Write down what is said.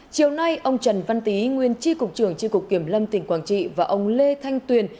chiều nay ông trần văn tý nguyên tri cục trường tri cục kiểm lâm tỉnh quảng trị và ông lê thanh tuyền